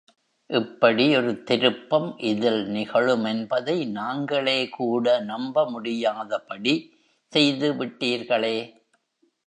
இப்படி ஒரு திருப்பம் இதில் நிகழுமென்பதை நாங்களே கூட நம்பமுடியாதபடி செய்து விட்டீர்களே?